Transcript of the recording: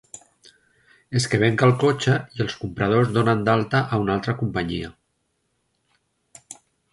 És que venc el cotxe i els compradors donen d'alta a una altra companyia.